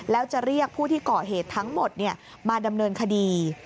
แล้วจะเรียกผู้ที่ก่อเหตุทั้งหมดมาดำเนินคดี